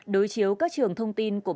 đối chiếu các trường thông tin của